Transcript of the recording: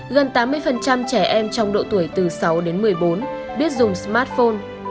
gần tám mươi trẻ em trong độ tuổi từ sáu đến một mươi bốn biết dùng smartphone